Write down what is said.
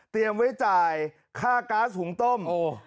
เตรียมไว้จ่ายค่าก๊าซหุงต้ม